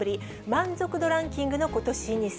満足度ランキングのことし